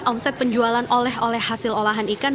omset penjualan oleh oleh hasil olahan ikan